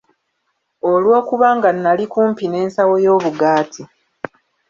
Olwokuba nga nali kumpi n'ensawo y'obugaati.